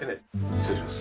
失礼します。